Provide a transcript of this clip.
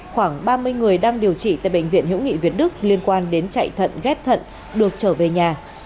khoảng ba mươi người đang điều trị tại bệnh viện hữu nghị việt đức liên quan đến chạy thận ghép thận được trở về nhà